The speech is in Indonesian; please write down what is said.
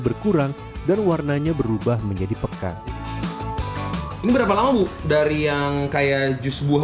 berkurang dan warnanya berubah menjadi pekat ini berapa lama bu dari yang kayak jus buah